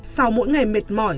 sau mỗi ngày mệt mỏi